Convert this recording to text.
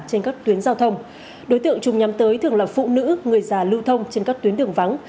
trên các tuyến giao thông đối tượng trùng nhắm tới thường là phụ nữ người già lưu thông trên các tuyến đường vắng